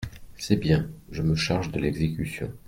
C’est bien, je me charge de l’exécution.